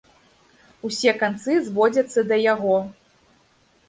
Усе канцы зводзяцца да яго.